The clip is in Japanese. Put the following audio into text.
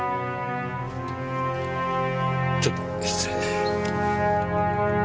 ちょっと失礼。